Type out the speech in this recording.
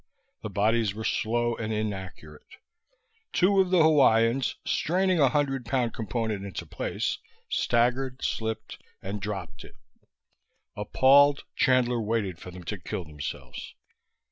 The bodies were slow and inaccurate. Two of the Hawaiians, straining a hundred pound component into place, staggered, slipped and dropped it. Appalled, Chandler waited for them to kill themselves.